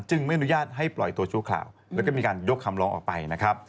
ไม่อนุญาตให้ปล่อยตัวชั่วคราวแล้วก็มีการยกคำร้องออกไปนะครับ